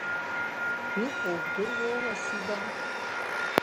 Иҟоу бдыруоу, Асида?